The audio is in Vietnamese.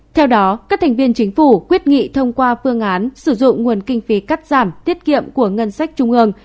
theo đó các thành viên chính phủ quyết nghị thông qua phương án sử dụng nguồn kinh phí cắt giảm tiết kiệm của ngân sách trung ương